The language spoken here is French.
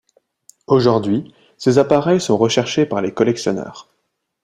Aujourd'hui ces appareils sont recherchés par les collectionneurs.